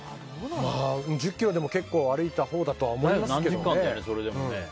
１０ｋｍでも結構歩いたほうだとは思いますけど。